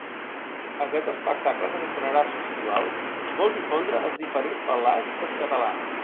Aquest espectacle, que s’estrenarà al festival, vol difondre els diferents parlars del català.